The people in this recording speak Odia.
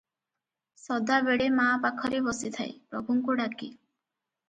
ସଦାବେଳେ ମାଆପାଖରେ ବସିଥାଏ, ପ୍ରଭୁଙ୍କୁ ଡାକେ ।